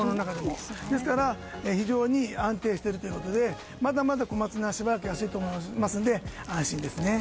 ですから、非常に安定しているということでまだまだコマツナはしばらく安いと思うので安心ですね。